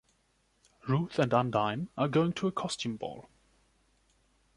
Ruth and Undine are going to a costume ball.